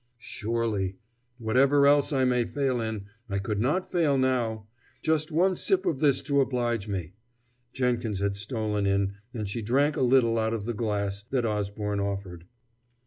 "Surely: whatever else I may fail in, I could not fail now.... Just one sip of this to oblige me." Jenkins had stolen in, and she drank a little out of the glass that Osborne offered.